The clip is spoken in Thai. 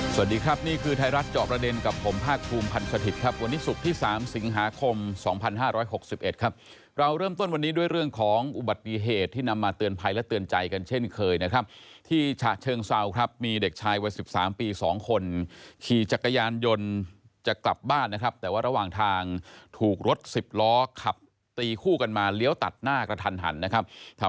สวัสดีครับนี่คือไทยรัฐจอบประเด็นกับผมภาคภูมิพันธ์สถิตย์ครับวันนี้ศุกร์ที่๓สิงหาคม๒๕๖๑ครับเราเริ่มต้นวันนี้ด้วยเรื่องของอุบัติเหตุที่นำมาเตือนภัยและเตือนใจกันเช่นเคยนะครับที่ฉะเชิงเซาครับมีเด็กชายวัย๑๓ปี๒คนขี่จักรยานยนต์จะกลับบ้านนะครับแต่ว่าระหว่างทางถูกรถสิบล้อขับตีคู่กันมาเลี้ยวตัดหน้ากระทันหันนะครับ